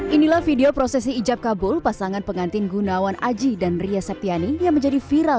inilah video prosesi ijab kabul pasangan pengantin gunawan aji dan ria septiani yang menjadi viral